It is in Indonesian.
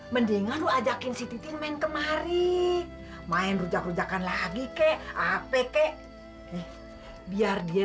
mendingan ajakin si titik main kemarin main rujakan rujakan lagi kek apa kek biar dia